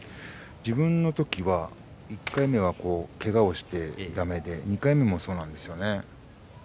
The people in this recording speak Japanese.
自分の時は１回目はけがをして、だめで２回目もそうなんですよね。